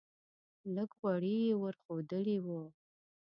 لږ غوړي یې ور ښودلی و.